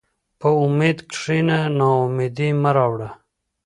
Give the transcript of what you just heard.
په امید کښېنه، ناامیدي مه راوړه.